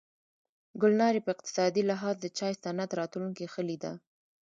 ګلنارې په اقتصادي لحاظ د چای صنعت راتلونکې ښه لیده.